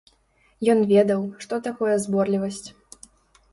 Ён ведаў, што такое зборлівасць.